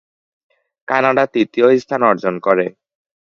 Canada তৃতীয় স্থান অর্জন করে।